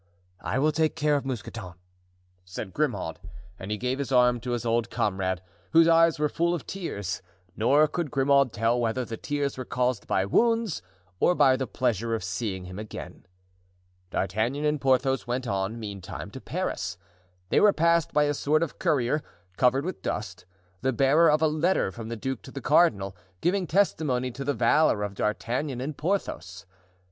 "I will take care of Mousqueton," said Grimaud; and he gave his arm to his old comrade, whose eyes were full of tears, nor could Grimaud tell whether the tears were caused by wounds or by the pleasure of seeing him again. D'Artagnan and Porthos went on, meantime, to Paris. They were passed by a sort of courier, covered with dust, the bearer of a letter from the duke to the cardinal, giving testimony to the valor of D'Artagnan and Porthos.